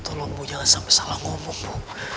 aduh tolong bu jangan sampai salah ngomong bu